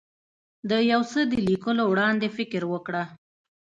د یو څه د لیکلو وړاندې فکر وکړه.